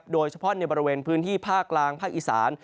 โดยเฉพาะในบริเวณพื้นที่ภาคกลางภาคอีสาน